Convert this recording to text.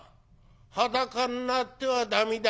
裸んなっては駄目だよ」。